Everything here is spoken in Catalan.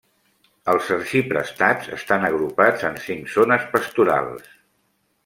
Els arxiprestats estan agrupats en cinc zones pastorals.